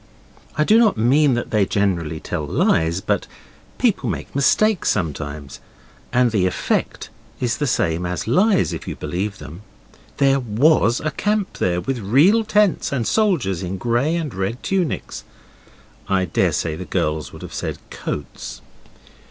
I do not mean that they generally tell lies, but people make mistakes sometimes, and the effect is the same as lies if you believe them. There WAS a camp there with real tents and soldiers in grey and red tunics. I daresay the girls would have said coats.